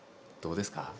どうですか？